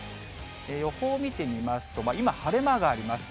予報を見てみますと、今、晴れ間があります。